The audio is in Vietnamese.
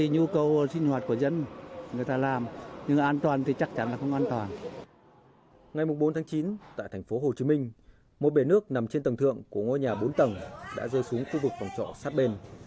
ngày bốn tháng chín tại thành phố hồ chí minh một bể nước nằm trên tầng thượng của ngôi nhà bốn tầng đã rơi xuống khu vực phòng trọ sát bên